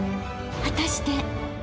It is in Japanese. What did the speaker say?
果たして？］